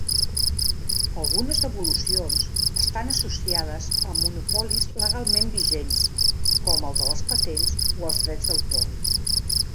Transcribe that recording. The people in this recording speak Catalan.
Algunes devolucions estan associades a monopolis legalment vigents com el de les patents o els drets d'autor.